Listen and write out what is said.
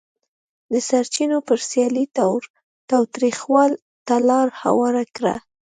د سرچینو پر سر سیالي تاوتریخوالي ته لار هواره کړه.